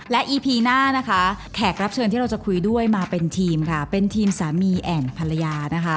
และอีพีหน้านะคะแขกรับเชิญที่เราจะคุยด้วยมาเป็นทีมค่ะเป็นทีมสามีแอ่นภรรยานะคะ